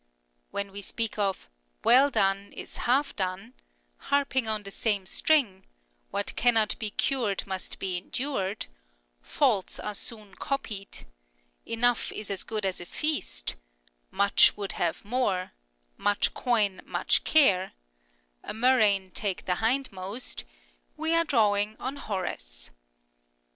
When we speak of " Well done is half done," " Harping on the same string," " What cannot be cured must be endured," " Faults are soon copied," " Enough is as good as a feast," " Much would have more," " Much coin, much care," " A mur rain take the hindmost," we are drawing on Horace.